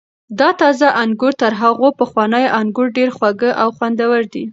دا تازه انګور تر هغو پخوانیو انګور ډېر خوږ او خوندور دي.